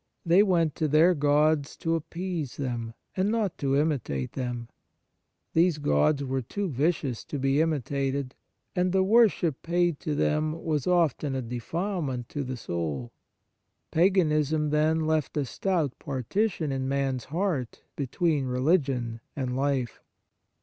They went to their gods to appease them, and not to imitate them. These gods were too vicious to be imitated, and the worship paid to them was often a defilement to the soul. Paganism, then, left a stout partition in man's heart between re ligion and life.